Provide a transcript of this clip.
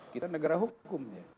kita negara hukum